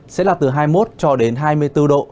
sẽ là từ hai mươi một cho đến hai mươi bốn độ